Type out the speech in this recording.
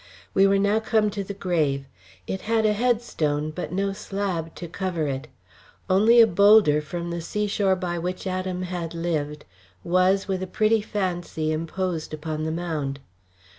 We were now come to the grave. It had a headstone but no slab to cover it; only a boulder from the seashore by which Adam had lived was with a pretty fancy imposed upon the mound.